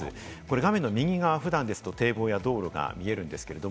画面の右側が普段ですと堤防や道路が見えるんですけれど、